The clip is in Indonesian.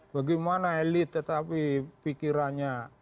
bagaimana elit tetapi pikirannya